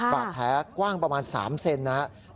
บาดแผลกว้างประมาณ๓เซนนะครับ